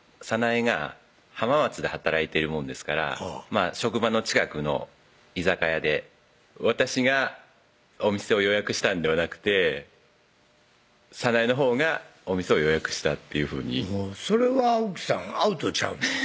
早奈恵が浜松で働いてるもんですから職場の近くの居酒屋で私がお店を予約したんではなくて早奈恵のほうがお店を予約したっていうふうにそれは奥さんアウトちゃうの？